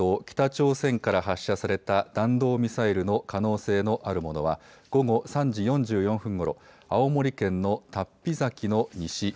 北朝鮮から発射された弾道ミサイルの可能性のあるものは午後３時４４分ごろ青森県の龍飛崎の西